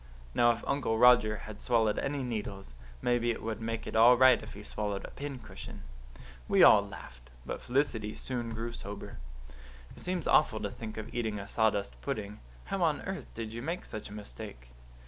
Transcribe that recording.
"Now, if Uncle Roger has swallowed any needles, maybe it would make it all right if he swallowed a pincushion." We all laughed. But Felicity soon grew sober. "It seems awful to think of eating a sawdust pudding. How on earth did you make such a mistake?"